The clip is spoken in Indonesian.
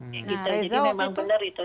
jadi memang benar itu